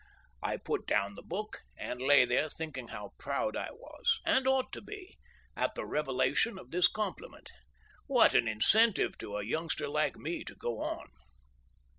I put down the book, and lay there thinking how proud I was, and ought to be, at the revelation of this compliment. What an incentive to a youngster like me to go on.